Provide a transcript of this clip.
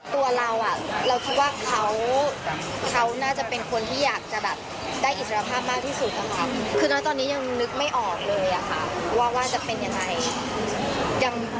ตัวเราเราคิดว่าเขาน่าจะเป็นคนที่อยากจะได้อิสระภาพมากที่สุด